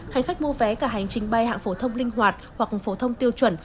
hành khách mua vé cả hành trình bay hạng phổ thông linh hoạt hoặc phổ thông tiêu chuẩn